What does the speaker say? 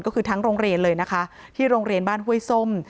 ก็คือทั้งโรงเรียนเลยนะคะที่โรงเรียนบ้านห้วยส้ม